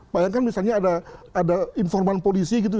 bayangkan misalnya ada informan polisi gitu